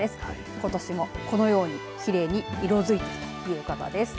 ことしも、このようにきれいに色づいてということです。